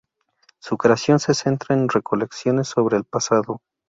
Su creación se centra en recolecciones sobre el pasado.